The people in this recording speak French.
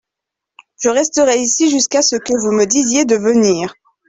Je resterai ici jusqu’à ce que vous me disiez de venir.